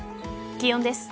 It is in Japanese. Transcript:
気温です。